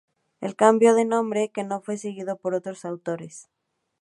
El cambio de nombre, que no fue seguido por otros autores.